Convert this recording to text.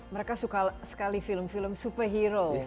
mereka suka sekali film film superhero